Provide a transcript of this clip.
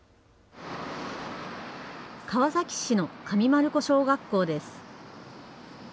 川崎市の上丸子小学校です。